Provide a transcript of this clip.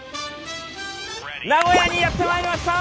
名古屋にやってまいりました！